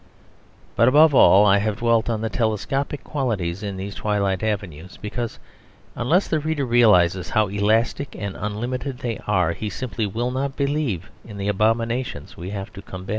But, above all, I have dwelt on the telescopic quality in these twilight avenues, because unless the reader realises how elastic and unlimited they are, he simply will not believe in the abominations we have to combat.